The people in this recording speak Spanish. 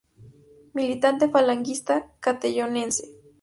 Militante falangista castellonense.